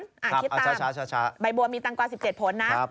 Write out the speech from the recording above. คิดตามใบบัวมีตังกว่า๑๗ผลนะ